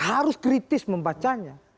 harus kritis membacanya